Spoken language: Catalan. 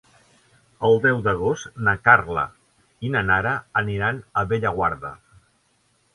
El deu d'agost na Carla i na Nara aniran a Bellaguarda.